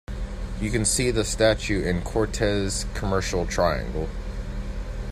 You can see the statue in Cortes Commercial Triangle.